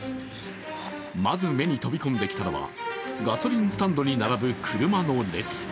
まず、目に飛び込んできたのはガソリンスタンドに並ぶ車の列。